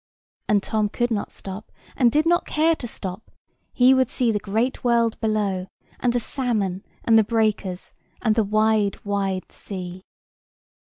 And Tom could not stop, and did not care to stop; he would see the great world below, and the salmon, and the breakers, and the wide wide sea.